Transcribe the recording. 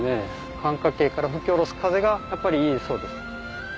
寒霞渓から吹き下ろす風がやっぱりいいそうです。